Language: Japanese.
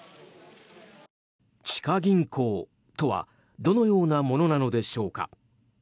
地下銀行とはどのようなものなのでしょうか？